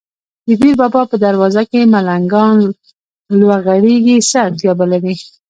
د پیر بابا په دروازه کې ملنګان لوغړېږي، څه اړتیا به لري.